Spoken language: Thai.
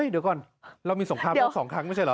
เดี๋ยวก่อนเรามีสงครามทั้งสองครั้งไม่ใช่เหรอ